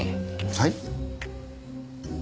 はい？